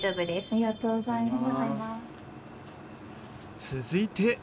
ありがとうございます。